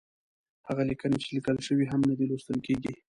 هغه ليکنې چې ليکل شوې هم نه دي، لوستل کېږي.